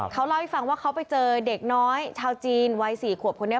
เขาเล่าให้ฟังว่าเขาไปเจอเด็กน้อยชาวจีนวัย๔ขวบคนนี้